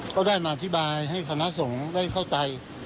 ก็ได้มาอธิบายให้คณะสงฆ์ได้เข้าใจ